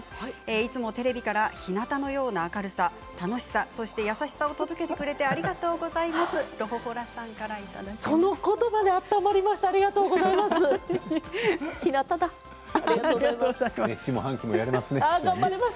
いつもテレビから日なたのような明るさ、楽しさそして優しさを届けてくれてありがとうございます。